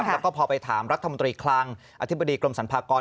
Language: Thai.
แล้วก็พอไปถามรัฐมนตรีคลังอธิบดีกรมสรรพากร